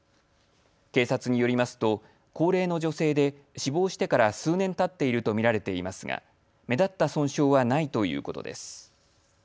警察によりますと高齢の女性で死亡してから数年たっていると見られていますが目立った損傷はないということです。